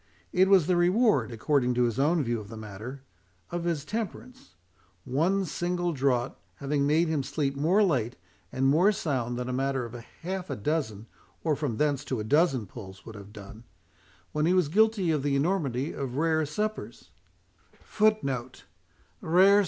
"It was the reward," according to his own view of the matter, "of his temperance; one single draught having made him sleep more late and more sound than a matter of half a dozen, or from thence to a dozen pulls, would have done, when he was guilty of the enormity of rere suppers, and of drinking deep after them."